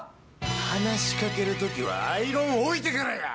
話し掛ける時はアイロン置いてからや！